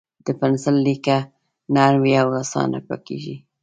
د پنسل لیکه نرم وي او اسانه پاکېږي.